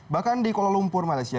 bahkan di kuala lumpur malaysia